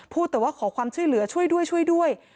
แต่ว่าขอความช่วยเหลือช่วยด้วยช่วยด้วย